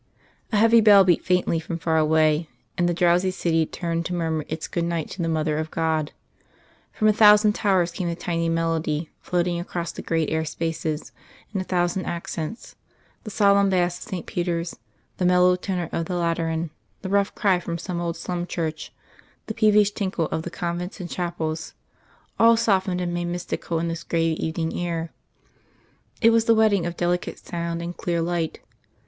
A heavy bell beat faintly from far away, and the drowsy city turned to murmur its good night to the Mother of God. From a thousand towers came the tiny melody, floating across the great air spaces, in a thousand accents, the solemn bass of St. Peter's, the mellow tenor of the Lateran, the rough cry from some old slum church, the peevish tinkle of convents and chapels all softened and made mystical in this grave evening air it was the wedding of delicate sound and clear light.